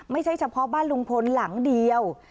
ไม่ใช่เฉพาะบ้านลุงพลหลังเดียว